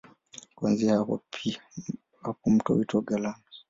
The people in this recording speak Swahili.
Kuanzia hapa mto huitwa Galana.